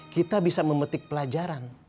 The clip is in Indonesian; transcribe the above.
kita bisa memetik pelajaran